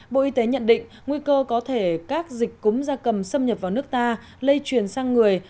bộ y tế nhận định nguy cơ có thể các dịch cúm da cầm xâm nhập vào nước ta lây truyền sang người